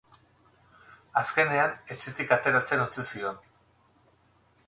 Azkenean, etxetik ateratzen utzi zion.